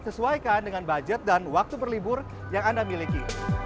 sesuaikan dengan budget dan waktu berlibur yang anda miliki